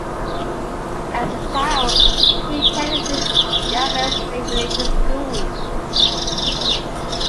As a child, he attended the Yavetz State Religious School.